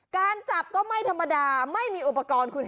การจับก็ไม่ธรรมดาไม่มีอุปกรณ์คุณ